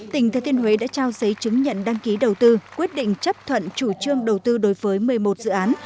tỉnh thừa thiên huế đã trao giấy chứng nhận đăng ký đầu tư quyết định chấp thuận chủ trương đầu tư đối với một mươi một dự án